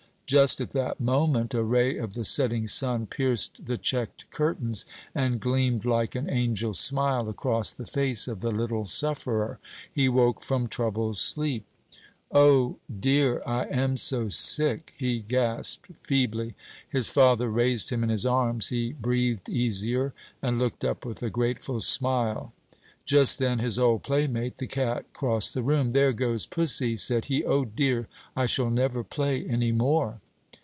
Just at that moment a ray of the setting sun pierced the checked curtains, and gleamed like an angel's smile across the face of the little sufferer. He woke from troubled sleep. "O, dear! I am so sick!" he gasped, feebly. His father raised him in his arms; he breathed easier, and looked up with a grateful smile. Just then his old playmate, the cat, crossed the room. "There goes pussy," said he; "O, dear! I shall never play any more."